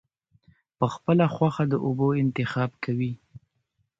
پۀ خپله خوښه د اوبو انتخاب کوي -